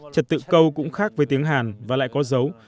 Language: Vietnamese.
trật tự câu cũng khác với tiếng hàn và lại có dấu